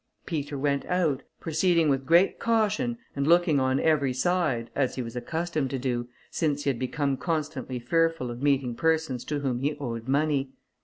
Peter went out, proceeding with great precaution and looking on every side, as he was accustomed to do, since he had become constantly fearful of meeting persons to whom he owed money.